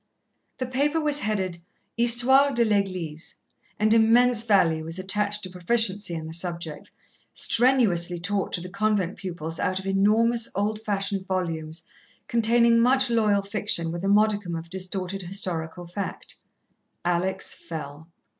The paper was headed "Histoire de l'Église," and immense value was attached to proficiency in the subject, strenuously taught to the convent pupils out of enormous old fashioned volumes containing much loyal fiction with a modicum of distorted historical fact. Alex fell.